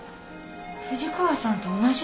藤川さんと同じ！？